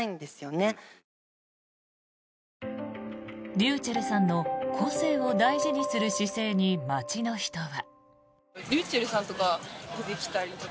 ｒｙｕｃｈｅｌｌさんの個性を大事にする姿勢に街の人は。